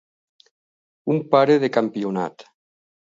Un pare de campionat.